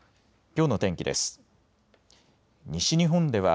きょうの天気です。